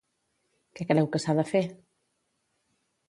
Què creu que s'ha de fer?